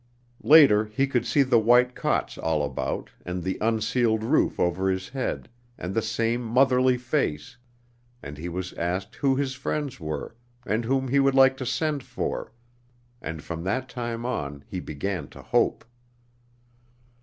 Later he could see the white cots all about and the unceiled roof over his head and the same motherly face, and he was asked who his friends were and whom he would like to send for, and from that time on he began to hope.